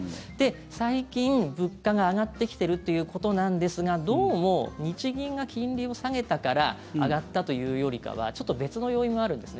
最近、物価が上がってきてるっていうことなんですがどうも日銀が金利を下げたから上がったというよりかはちょっと別の要因もあるんです。